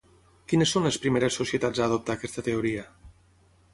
Quines són les primeres societats a adoptar aquesta teoria?